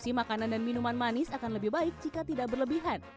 konsum makanan dan minuman manis akan lebih baik jika tidak berlebihan